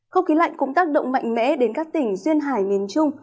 không khí lạnh cũng tác động mạnh mẽ đến các tỉnh duyên hải miền trung